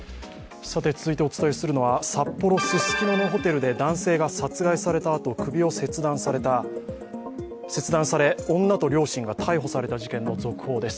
続いてお伝えするのは札幌・ススキノのホテルで男性が殺害されたあと首を切断され、女と両親が逮捕された事件の続報です。